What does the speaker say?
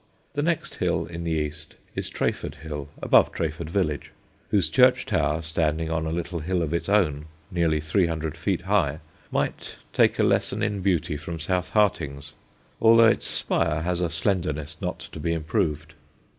The next hill in the east is Treyford Hill, above Treyford village, whose church tower, standing on a little hill of its own nearly three hundred feet high, might take a lesson in beauty from South Harting's, although its spire has a slenderness not to be improved.